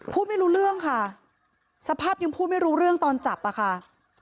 พูดไม่รู้เรื่องค่ะสภาพยังพูดไม่รู้เรื่องตอนจับอะค่ะ